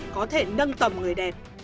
có thể nâng tầm người đẹp